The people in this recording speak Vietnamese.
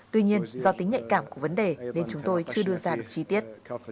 tuy nhiên do tính nhạy cảm của vấn đề nên chúng tôi chưa đưa ra được chi tiết